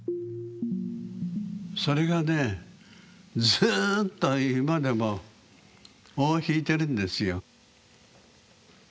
それがねずっと今でも尾を引いてるんですよ。